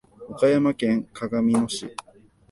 岡山県鏡野町